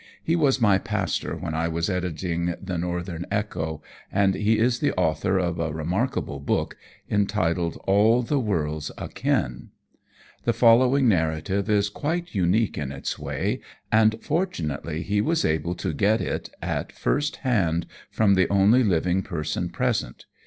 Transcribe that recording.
He was my pastor when I was editing the Northern Echo, and he is the author of a remarkable book, entitled All the World's Akin. The following narrative is quite unique in its way, and fortunately he was able to get it at first hand from the only living person present.